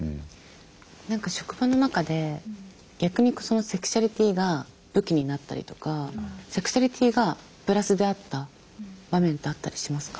何か職場の中で逆にそのセクシュアリティーが武器になったりとかセクシュアリティーがプラスであった場面ってあったりしますか？